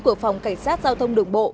của phòng cảnh sát giao thông đường bộ